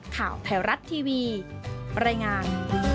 ข่าวแพร่รัฐทีวีบรรยงาน